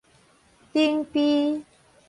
頂埤